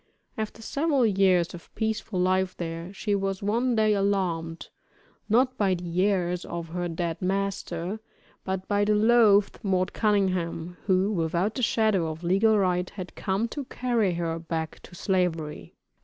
After several years of peaceful life there, she was one day alarmed, not by the heirs of her dead master, but by the loathed "Mort Cunningham," who, without the shadow of legal right, had come to carry her back to Slavery.